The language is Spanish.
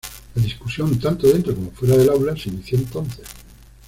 La discusión tanto dentro como fuera del aula se inició entonces.